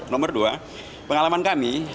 nomor dua pengalaman kami